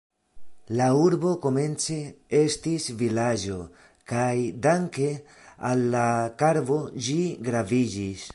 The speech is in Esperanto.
La urbo komence estis vilaĝo kaj danke al la karbo ĝi graviĝis.